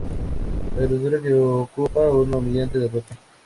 La criatura que ocupa una humillante derrota.